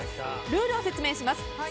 ルールを説明します。